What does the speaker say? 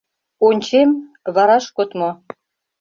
Ончем — вараш кодмо.